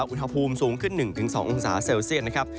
มีกรุ่นเข้าภูมิสูงขึ้น๑๒องศาเซลเซียตนะครับ